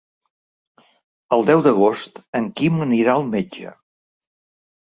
El deu d'agost en Quim anirà al metge.